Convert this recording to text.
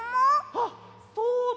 あっそうだ！